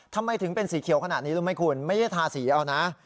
ทำไมถึงเป็นสีเขียวขนาดนี้รู้ไหมคุณไม่ใช่ทาสีเอานะ